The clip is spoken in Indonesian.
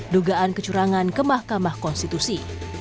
dugaan kecurangan ke mahkamah konstitusi